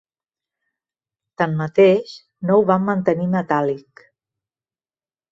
Tanmateix, no ho van mantenir metàl·lic.